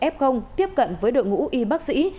f tiếp cận với đội ngũ y bác sĩ